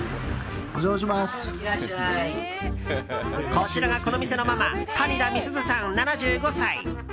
こちらが、この店のママ谷田美鈴さん、７５歳。